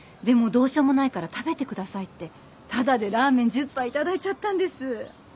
でもどうしようもないから食べてくださいってタダでラーメン１０杯頂いちゃったんです。